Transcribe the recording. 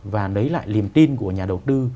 và lấy lại liềm tin của nhà đầu tư